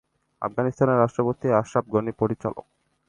আফগানিস্তানের রাষ্ট্রপতি আশরাফ গনি পরিচালক।